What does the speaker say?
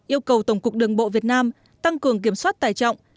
yêu cầu tổng cục đường bộ việt nam tăng cường kiểm soát tải trọng